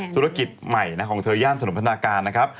ธุรกิจใหม่ของเธอย่านถนนพัฒนาการนะครับ